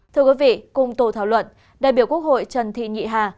thưa quý vị cùng tổ thảo luận đại biểu quốc hội trần thị nhị hà